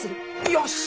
よし！